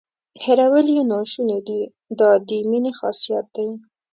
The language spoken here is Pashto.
هیرول یې ناشونې دي دا د مینې خاصیت دی.